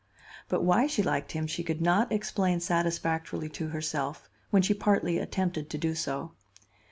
But why she liked him she could not explain satisfactorily to herself when she partly attempted to do so.